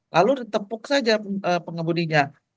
lalu ditepuk saja pengemudinya